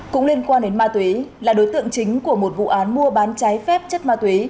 cũng liên quan đến ma túy là đối tượng chính của một vụ án mua bán trái phép chất ma túy